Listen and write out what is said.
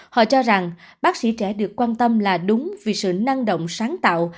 họ cho rằng bác sĩ trẻ được quan tâm là đúng vì sự năng động sáng tạo